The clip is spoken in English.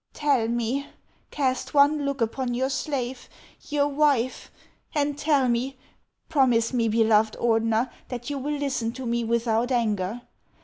Tell me, — cast one look upon your slave, your wife, and tell me, promise me, beloved Ordener, that you will listen to me without anger.